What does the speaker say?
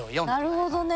なるほどね。